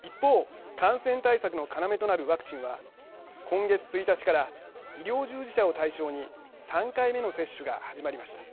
一方感染対策の要となるワクチンは今月１日から医療従事者を対象に３回目の接種が始まりました。